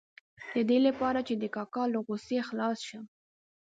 د دې لپاره چې د کاکا له غوسې خلاص شم.